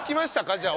じゃあ。